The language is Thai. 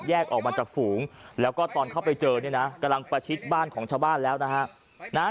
ออกมาจากฝูงแล้วก็ตอนเข้าไปเจอเนี่ยนะกำลังประชิดบ้านของชาวบ้านแล้วนะฮะ